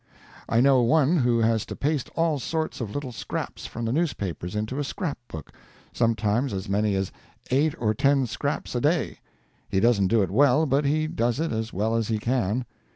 I know one who has to paste all sorts of little scraps from the newspapers into a scrapbook sometimes as many as eight or ten scraps a day. He doesn't do it well, but he does it as well as he can.